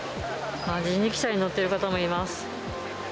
人力車に乗っている方もいます。